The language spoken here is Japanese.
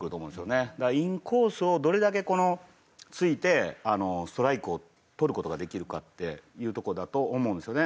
だからインコースをどれだけ突いてストライクを取る事ができるかっていうとこだと思うんですよね。